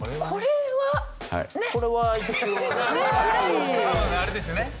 これはね。